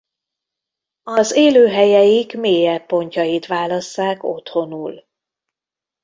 Az élőhelyeik mélyebb pontjait válasszák otthonul.